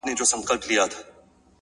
• پرېښودلای خو يې نسم؛